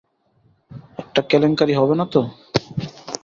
একটা কেলেঙ্কারি হবে না তো?